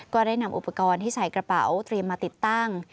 ได้นำอุปกรณ์ที่ใส่กระเป๋าเตรียมมาติดตั้ง